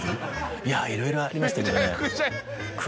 いやいろいろありましたけどね。